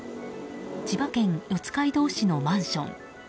千葉県四街道市のマンション。